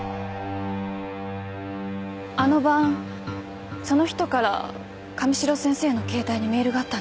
あの晩その人から神代先生の携帯にメールがあったんです。